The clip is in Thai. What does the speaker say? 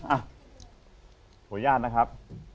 อ่ะขออนุญาตนะครับ